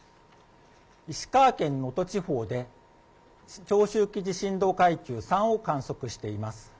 石川県能登地方で、長周期地震動階級３を観測しています。